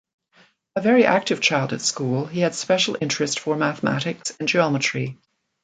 A very active child at school, he had special interest for mathematics and geometry.